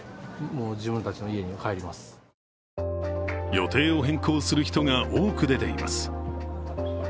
予定を変更する人が多く出ています。